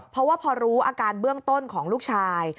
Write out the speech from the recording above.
เพราะว่าพอรู้อาการเบื้องต้นของลูกชาย